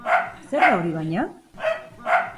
Zer da hori baina?